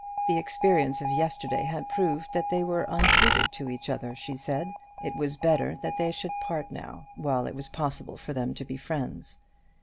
The experience of yesterday had proved that they were unsuited to each other, she said; it was better that they should part now, while it was possible for them to part friends.